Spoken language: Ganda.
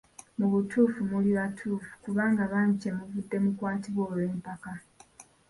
Mu butuufu muli batuufu kubanga bangi kye muvudde mukwatibwa olw'empaka.